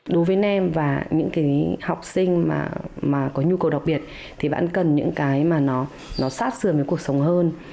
đối với nem và những học sinh có nhu cầu đặc biệt bạn cần những cái mà nó sát dường với cuộc sống hơn